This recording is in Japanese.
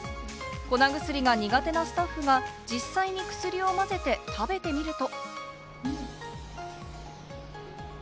粉薬が苦手なスタッフが実際に薬を混ぜて食べてみると。